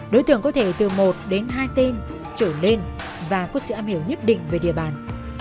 đối tượng có thể từ một đến hai tên trở lên và có sự âm hiểu nhất định về địa bàn